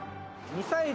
ミサイル。